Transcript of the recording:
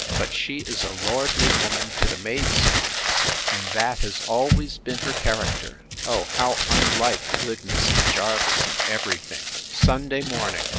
—But she is a lordly woman to the maid servants; and that has always been her character: O how unlike good Mrs. Jervis in every thing. Sunday morning.